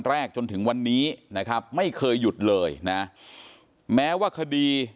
จนถึงวันนี้นะครับไม่เคยหยุดเลยนะแม้ว่าคดี